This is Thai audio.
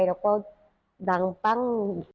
แล้วก็ดังปั้ง